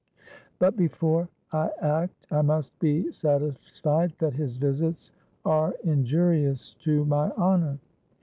But before I act, I must be satisfied that his visits are injurious to my honour.